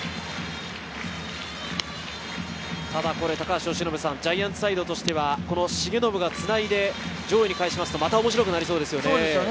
ただジャイアンツサイドとしては重信がつないで上位に返しますとまた面白くなりそうですよね。